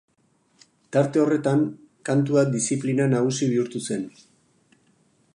Tarte horretan, kantua diziplina nagusi bihurtu zen.